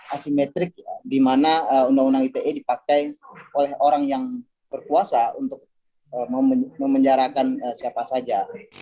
asimetrik di mana undang undang ite dipakai oleh orang yang berkuasa untuk memenjarakan siapa saja